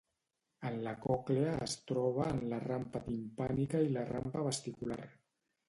En la còclea es troba en la rampa timpànica i la rampa vestibular.